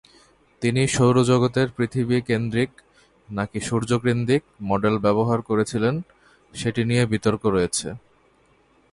তিনি সৌরজগতের পৃথিবীকেন্দ্রিক নাকি সূর্যকেন্দ্রিক মডেল ব্যবহার করেছিলেন সেটি নিয়ে বিতর্ক রয়েছে।